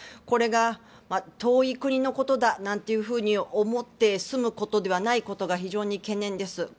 これが遠い国のことだなんて思って済むことではないことが非常に懸念です。